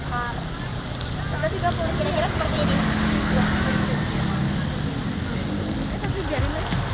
terus juga punggung kacang kacang seperti ini